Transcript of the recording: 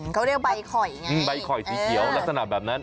เขาเรียกใบข่อยไงใบข่อยสีเขียวลักษณะแบบนั้น